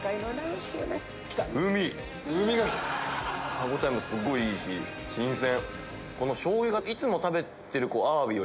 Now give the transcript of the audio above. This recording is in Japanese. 歯応えもすごいいいし新鮮！